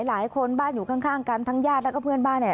หลายคนบ้านอยู่ข้างกันทั้งญาติแล้วก็เพื่อนบ้านเนี่ย